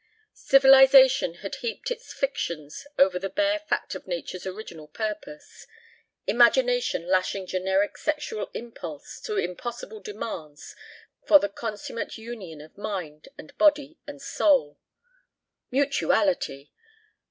Civilization had heaped its fictions over the bare fact of nature's original purpose, imagination lashing generic sexual impulse to impossible demands for the consummate union of mind and soul and body. Mutuality!